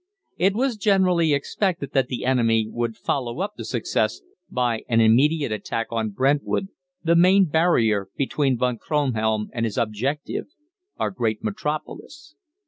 It was generally expected that the enemy would follow up the success by an immediate attack on Brentwood, the main barrier between Von Kronhelm and his objective our great Metropolis.